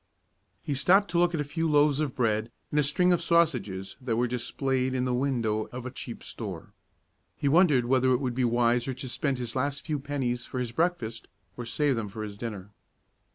He stopped to look at a few loaves of bread and a string of sausages that were displayed in the window of a cheap store. He wondered whether it would be wiser to spend his last few pennies for his breakfast, or save them for his dinner.